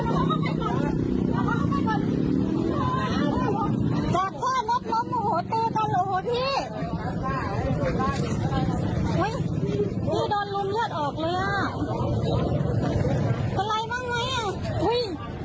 ก็ไรบ้างเลยอ่ะจ้างกับนวดเลย